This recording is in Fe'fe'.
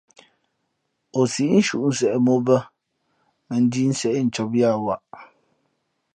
Ǒ sǐʼ nshuʼ nseʼ mǒ bᾱ, mα njīīnseʼ incōb yāā waʼ.